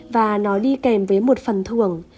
và nó đi kèm với một phần thưởng